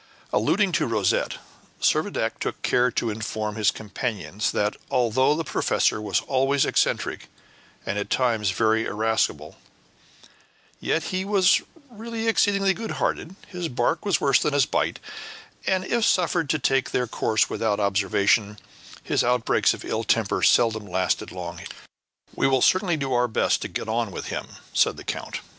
Alluding to Rosette, Servadac took care to inform his companions that, although the professor was always eccentric, and at times very irascible, yet he was really exceedingly good hearted; his bark was worse than his bite; and if suffered to take their course without observation, his outbreaks of ill temper seldom lasted long. "We will certainly do our best to get on with him," said the count.